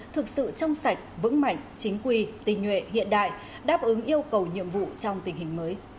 thực sự trong sạch vững mạnh chính quy tình nhuệ hiện đại đáp ứng yêu cầu nhiệm vụ trong tình hình mới